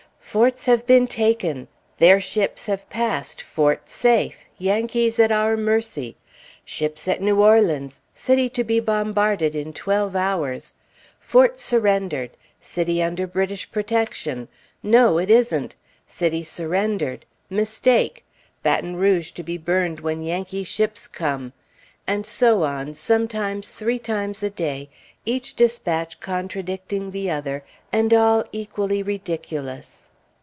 "Forts have been taken." "Their ships have passed; forts safe; Yankees at our mercy." "Ships at New Orleans. City to be bombarded in twelve hours." "Forts surrendered." "City under British protection." "No, it isn't." "City surrendered." "Mistake." "Baton Rouge to be burned when Yankee ships come." And so on, sometimes three times a day, each dispatch contradicting the other, and all equally ridiculous.